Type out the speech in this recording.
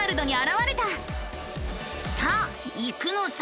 さあ行くのさ！